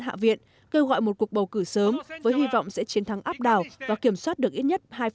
hạ viện kêu gọi một cuộc bầu cử sớm với hy vọng sẽ chiến thắng áp đảo và kiểm soát được ít nhất hai